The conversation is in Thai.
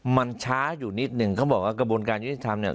มันช้าอยู่นิดนึงเขาบอกว่ากระบวนการยุทธิธรรมเนี่ย